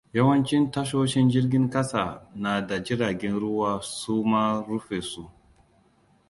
Yawancin tashoshin Jirgin Kasa Da Na Jiragen ruwa su Ma Rufe Su.